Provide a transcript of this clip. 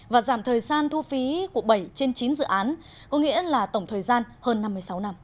và giảm thời gian thu phí của bảy trên chín dự án có nghĩa là tổng thời gian hơn năm mươi sáu năm